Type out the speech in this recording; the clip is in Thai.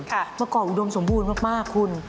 มันเกาะอูดมสมบูรณ์มากคุณ